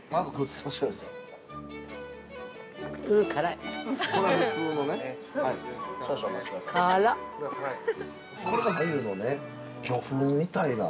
◆それがアユのね、魚粉みたいな。